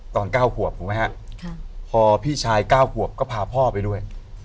ตอน๙ขวบถูกไหมฮะพอพี่ชาย๙ขวบก็พาพ่อไปด้วย